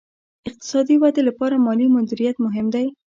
اقتصادي ودې لپاره مالي مدیریت مهم دی.